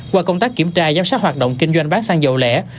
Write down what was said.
qua công tác kiểm tra giám sát hoạt động kinh doanh bán xăng dầu lẻ